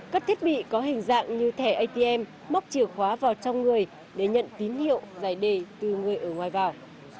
các thiết bị có hình dạng như thẻ atm móc chìa khóa vào trong người để nhận tín hiệu giải đề từ người ở ngoài vào